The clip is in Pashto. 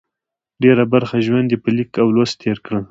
ډېره برخه ژوند یې په لیکلو او لوست تېر کړه.